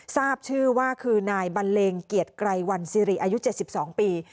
ทราบชื่อว่าคือนายบันเลงเกียรติไกรวันสิริอายุ๗๒ปี